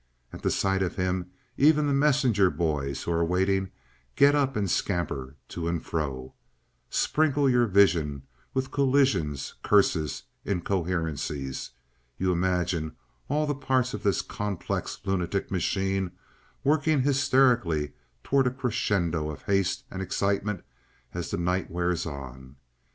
At the sight of him even the messenger boys who are waiting, get up and scamper to and fro. Sprinkle your vision with collisions, curses, incoherencies. You imagine all the parts of this complex lunatic machine working hysterically toward a crescendo of haste and excitement as the night wears on.